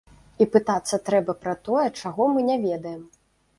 І пытацца трэба пра тое, чаго мы не ведаем.